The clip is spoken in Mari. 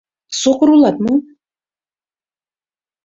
— Сокыр улат мо?